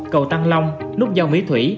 cầu tăng long nút giao mỹ thủy